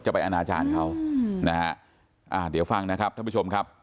ไปอนาจารย์เขานะฮะอ่าเดี๋ยวฟังนะครับท่านผู้ชมครับ